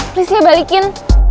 please ya balikin